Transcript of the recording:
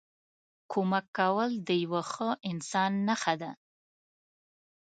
کمک کول د یوه ښه انسان نښه ده.